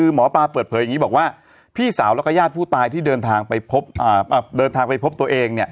หมอปลาเปิดเผยแบบนี้พี่สาวและยาดผู้ตายที่เดินทางไปพบตัวเอง